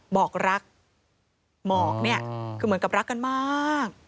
บอกรักหมอกเนี่ยคือเหมือนกับรักกันมาก